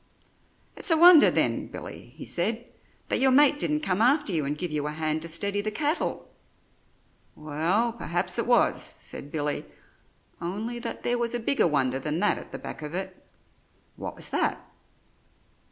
"It's a wonder then, Billy," he said, "that your mate didn't come after you and give you a hand to steady the cattle." "Well, perhaps it was," said Billy, "only that there was a bigger wonder than that at the back of it." "What was that?"